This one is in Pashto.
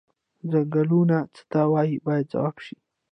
څنګلونه څه ته وایي باید ځواب شي.